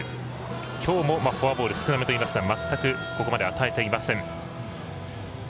きょうもフォアボール少なめといいますか全くここまでは与えていません。